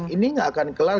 ini gak akan kelar